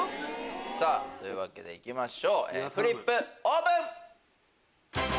さぁというわけでいきましょうフリップオープン！